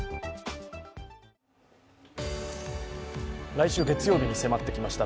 来週月曜日に迫ってきました